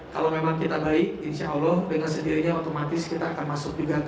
kalau memang kita baik insya allah dengan sendirinya otomatis kita akan masuk juga ke liga satu